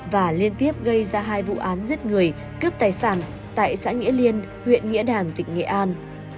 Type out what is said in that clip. và liên tiếp gây ra hai vụ án giết người cướp tài sản tại xã nghĩa liên huyện nghĩa đàn tỉnh nghệ an